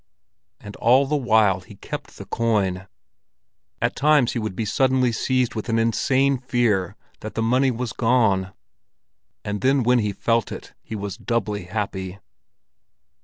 And all the while he kept the coin. At times he would be suddenly seized with an insane fear that the money was gone; and then when he felt it, he was doubly happy.